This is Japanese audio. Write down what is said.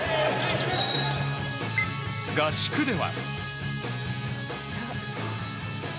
合宿では。